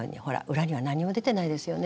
裏には何にも出てないですよね